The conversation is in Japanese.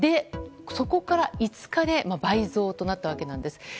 そこから５日で倍増となったわけなんです。